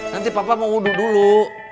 nanti papa mau wudhu dulu